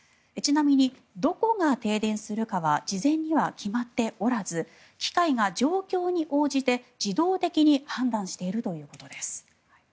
ちなみにどこが停電するかは事前には決まっておらず機械が状況に応じて、自動的に判断しているということです。